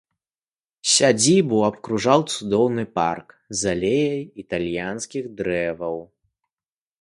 Сядзібу абкружаў цудоўны парк з алеяй італьянскіх дрэваў.